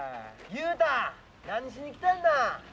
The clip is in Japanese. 雄太何しに来たんな？